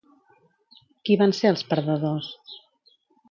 Qui van ser els perdedors?